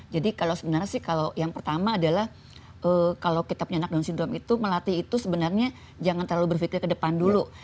jadi kalau sebenarnya sih kalau yang pertama adalah kalau kita penyenang down syndrome itu melatih itu sebenarnya jangan terlalu berpikir ke depan dulu